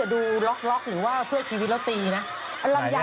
ดูล็อกหรือว่าเพื่อชีวิตแล้วตีนะ